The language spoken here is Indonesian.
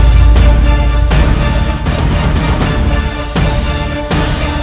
sini selamat menikmati